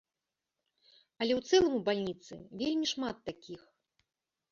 Але ў цэлым у бальніцы вельмі шмат такіх.